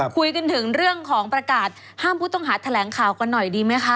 คุยกันถึงเรื่องของประกาศห้ามผู้ต้องหาแถลงข่าวกันหน่อยดีไหมคะ